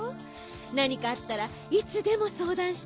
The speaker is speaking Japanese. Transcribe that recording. なにかあったらいつでもそうだんしてね。